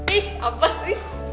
eh apa sih